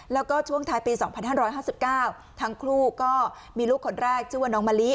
แล้วก็ช่วงท้ายปีสองพันห้าร้อยห้าสิบเก้าทั้งคู่ก็มีลูกคนแรกชื่อว่าน้องมะลิ